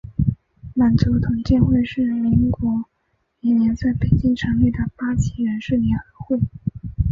满族同进会是民国元年在北京成立的八旗人士联合会。